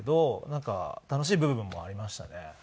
なんか楽しい部分もありましたね。